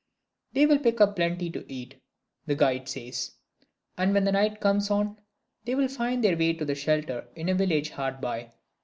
They will pick up plenty to eat (the guide says); and when night comes on they will find their own way to shelter in a village hard by.